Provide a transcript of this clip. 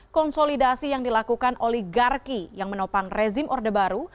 konsolidasi yang dilakukan oligarki yang menopang rezim orde baru